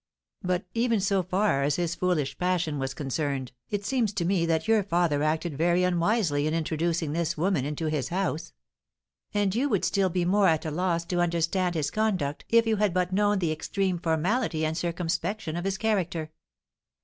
"But, even so far as his foolish passion was concerned, it seems to me that your father acted very unwisely in introducing this woman into his house." "And you would be still more at a loss to understand his conduct if you had but known the extreme formality and circumspection of his character.